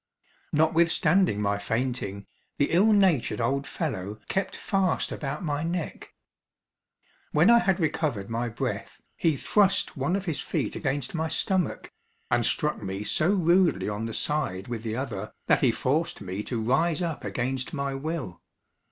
Notwithstanding my fainting, the ill natured old fellow kept fast about my neck. When I had recovered my breath, he thrust one of his feet against my stomach, and struck me so rudely on the side with the other, that he forced me to rise up against my will.